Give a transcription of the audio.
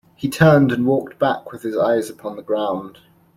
He turned and walked back with his eyes upon the ground.